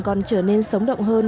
còn trở nên sống động hơn